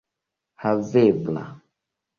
havebla